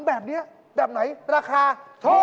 แล้วเสียงขึ้นทะเลเจ๊